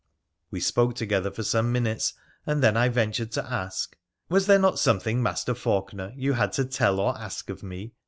We spoke together for some minutes, and then I ventured to ask, ' Was there not something, Master Faulkener, you had to tell or ask of me